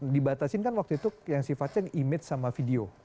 dibatasin kan waktu itu yang sifatnya image sama video